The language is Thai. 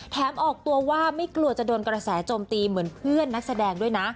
ออกตัวว่าไม่กลัวจะโดนกระแสโจมตีเหมือนเพื่อนนักแสดงด้วยนะ